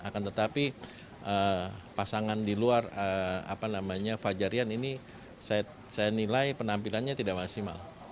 akan tetapi pasangan di luar fajar rian ini saya nilai penampilannya tidak maksimal